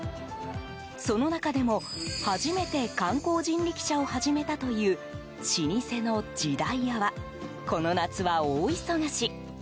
その中でも、初めて観光人力車を始めたという老舗の時代屋はこの夏は大忙し。